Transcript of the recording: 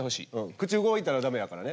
口動いたら駄目やからね。